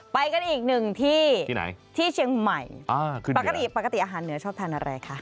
ไปกันอีกหนึ่งที่เชียงใหม่ปกติอาหารเนื้อชอบทานอะไรคะ